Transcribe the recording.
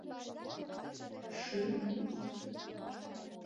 — Шӱм?